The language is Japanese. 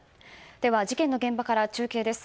では、事件の現場から中継です。